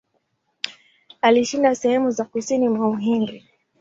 Alishinda sehemu za kusini mwa Uhindi.